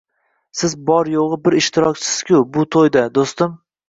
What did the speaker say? Siz bor-yo`g`i bir ishtirokchisiz-ku bu to`yda, do`stim